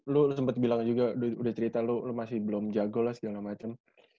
lu sempat bilang juga udah cerita lu lo masih belum jago lah segala macem